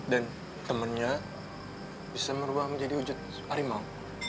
dan temannya bisa berubah menjadi harimau